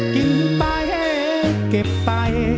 กินไปเก็บไป